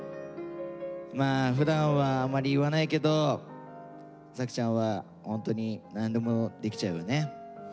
まあふだんはあんまり言わないけど作ちゃんはホントに何でもできちゃうよね。